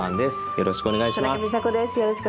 よろしくお願いします。